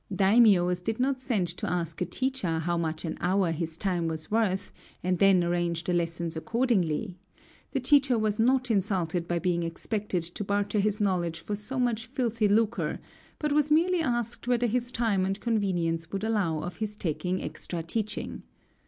Daimiōs did not send to ask a teacher how much an hour his time was worth, and then arrange the lessons accordingly; the teacher was not insulted by being expected to barter his knowledge for so much filthy lucre, but was merely asked whether his time and convenience would allow of his taking extra teaching.